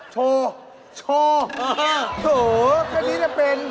โชว์โชว์โถแค่นี้จะเป็น